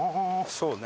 そうね。